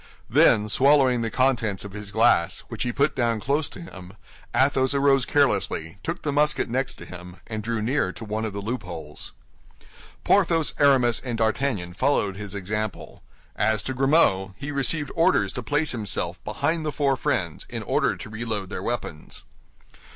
Then, swallowing the contents of his glass, which he put down close to him, Athos arose carelessly, took the musket next to him, and drew near to one of the loopholes. Porthos, Aramis and D'Artagnan followed his example. As to Grimaud, he received orders to place himself behind the four friends in order to reload their weapons.